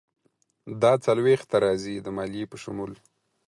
دا څلویښت ته راځي، د مالیې په شمول.